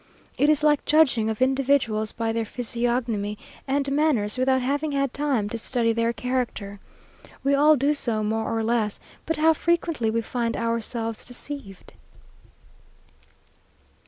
It is like judging of individuals by their physiognomy and manners, without having had time to study their character. We all do so more or less, but how frequently we find ourselves deceived!